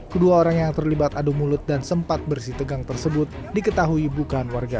kedua orang yang terlibat adu mulut dan sempat bersih tegang tersebut diketahui bukan warga